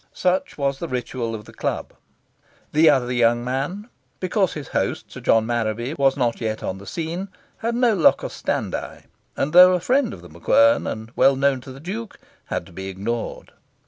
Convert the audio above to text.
Such was the ritual of the club. The other young man, because his host, Sir John Marraby, was not yet on the scene, had no locus standi, and, though a friend of The MacQuern, and well known to the Duke, had to be ignored.